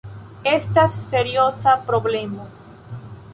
Estas serioza problemo.